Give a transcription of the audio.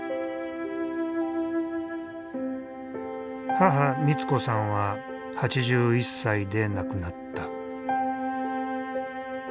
母光子さんは８１歳で亡くなった。